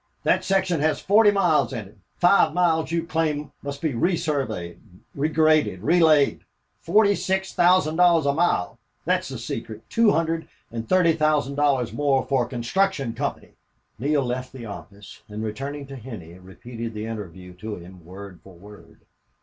That section has forty miles in it. Five miles you claim must be resurveyed regraded relaid. Forty six thousand dollars a mile!... That's the secret two hundred and thirty thousand dollars more for a construction company!" Neale left the office and, returning to Henney, repeated the interview to him word for word.